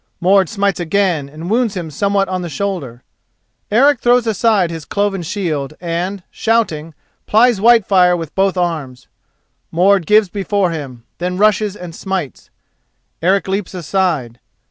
Mord smites again and wounds him somewhat on the shoulder. Eric throws aside his cloven shield and, shouting, plies Whitefire with both arms. Mord gives before him, then rushes and smites; Eric leaps aside.